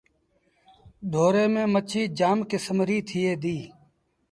ڍوري ميݩ مڇيٚ جآم ڪسم ريٚ ٿئي ديٚ۔